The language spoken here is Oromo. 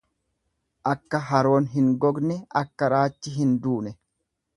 Akka haroon hin gogne akka raachi hin duune.